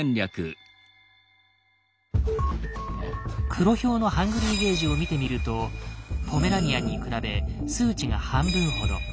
クロヒョウの「ＨＵＮＧＲＹ」ゲージを見てみるとポメラニアンに比べ数値が半分ほど。